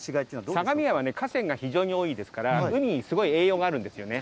相模湾は河川が非常に多いですから、海に栄養が多いんですね。